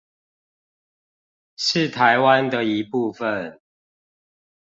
是台灣的一部分